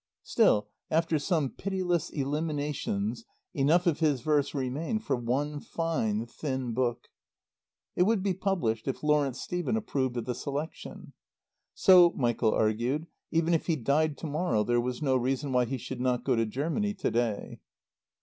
Still, after some pitiless eliminations, enough of his verse remained for one fine, thin book. It would be published if Lawrence Stephen approved of the selection. So, Michael argued, even if he died to morrow there was no reason why he should not go to Germany to day.